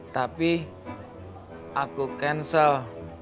tapi aku cancel